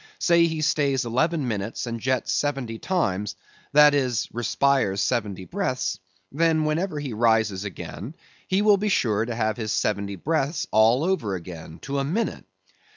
Say he stays eleven minutes, and jets seventy times, that is, respires seventy breaths; then whenever he rises again, he will be sure to have his seventy breaths over again, to a minute.